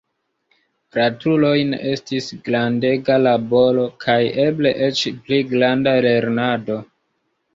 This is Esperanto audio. Gratulojn estis grandega laboro kaj eble eĉ pli granda lernado!